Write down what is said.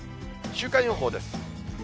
週間予報です。